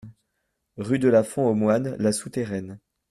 Rue de la Font aux Moines, La Souterraine